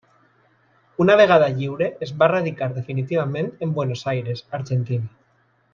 Una vegada lliure es va radicar definitivament en Buenos Aires, Argentina.